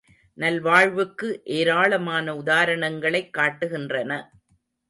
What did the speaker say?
நல்வாழ்வுக்கு ஏராளமான உதாரணங்களைக் காட்டுகின்றன.